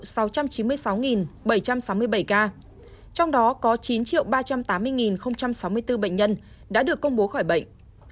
số ca nhiễm ghi nhận trong nước là một mươi sáu trăm chín mươi sáu bảy trăm sáu mươi bảy ca trong đó có chín ba trăm tám mươi sáu mươi bốn bệnh nhân đã được công bố khỏi bệnh